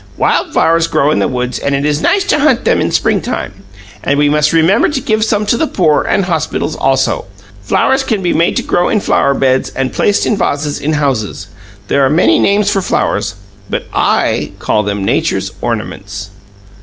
Wild flowers grow in the woods, and it is nice to hunt them in springtime, and we must remember to give some to the poor and hospitals, also. Flowers can be made to grow in flower beds and placed in vases in houses. There are many names for flowers, but I call them "nature's ornaments.